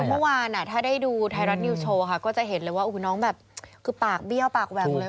เมื่อวานถ้าได้ดูไทยรัฐนิวโชว์ค่ะก็จะเห็นเลยว่าน้องแบบคือปากเบี้ยวปากแหว่งเลย